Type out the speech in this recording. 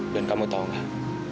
dan kamu tahu gak